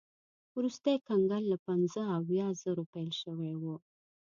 وروستی کنګل له پنځه اویا زرو پیل شوی و.